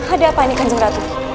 ada apa ini kanjeng ratu